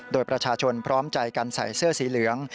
โดยประชาชนพร้อมใจกันใส่เสื้อสีเหลือง